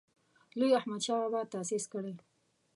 لوی احمدشاه بابا تاسیس کړی.